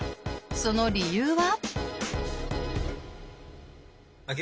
その理由は？